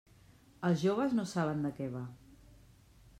Els joves no saben de què va.